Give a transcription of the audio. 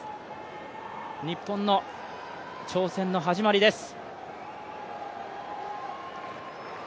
日本の挑戦の始まりです。